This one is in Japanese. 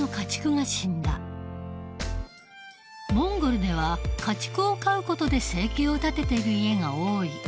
モンゴルでは家畜を飼う事で生計を立てている家が多い。